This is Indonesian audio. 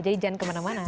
jadi jangan kemana mana